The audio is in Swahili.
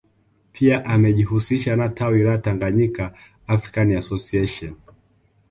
Pia amejihusisha na tawi la Tanganyika African Association